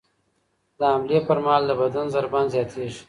د حملې پر مهال د بدن ضربان زیاتېږي.